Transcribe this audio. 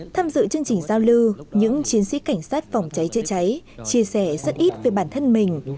tham dự chương trình giao lưu những chiến sĩ cảnh sát phòng cháy chữa cháy chia sẻ rất ít về bản thân mình